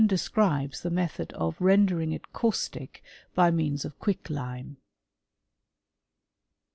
describes the method of rendering it caustic by mexas of quicklime. * 3.